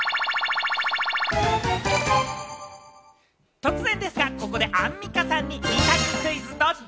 突然ですがここでアンミカさんに二択クイズ、ドッチ！